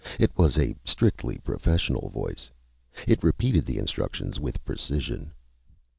It was a strictly professional voice. It repeated the instructions with precision.